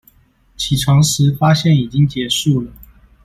起床時發現已經結束了